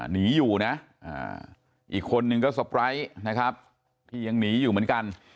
หนีอยู่นะอีกคนนึงก็สปร้ายนะครับที่ยังหนีอยู่เหมือนกัน